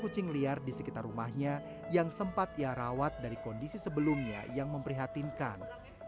kucing liar di sekitar rumahnya yang sempat ia rawat dari kondisi sebelumnya yang memprihatinkan